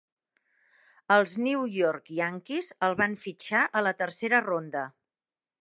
Els New York Yankees el van fitxar a la tercera ronda.